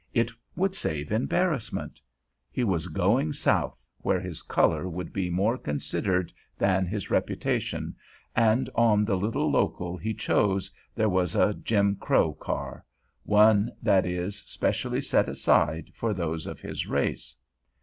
It would save embarrassment. He was going South, where his color would be more considered than his reputation, and on the little local he chose there was a "Jim Crow" car—one, that is, specially set aside for those of his race.